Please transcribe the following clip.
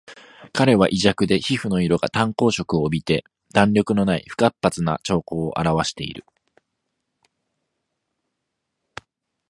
彼は胃弱で皮膚の色が淡黄色を帯びて弾力のない不活発な徴候をあらわしている